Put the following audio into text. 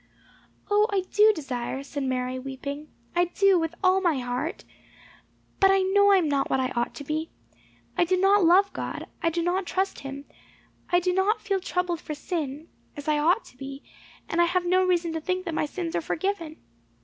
"O, I do desire," said Mary, weeping. "I do, with all my heart. But I know I am not what I ought to be. I do not love God; I do not trust him; I do not feel troubled for sin, as I ought to be; and I have no reason to think that my sins are forgiven."